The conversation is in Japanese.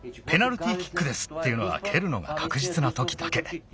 「ペナルティーキックです」っていうのはけるのがかくじつなときだけ。